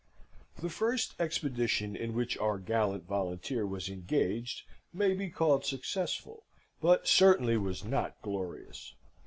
The first expedition in which our gallant volunteer was engaged may be called successful, but certainly was not glorious.